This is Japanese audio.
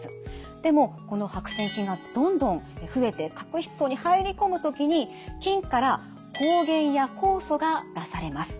でもこの白癬菌がどんどん増えて角質層に入り込む時に菌から抗原や酵素が出されます。